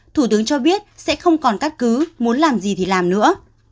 thủ tướng cho biết sẽ không còn các cứ muốn làm gì thì làm nữa